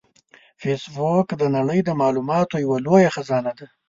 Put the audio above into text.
فېسبوک د نړۍ د معلوماتو یوه لویه خزانه ده